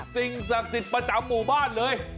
สิ่งศักดิ์สิทธิ์ประจำหมู่บ้านเลย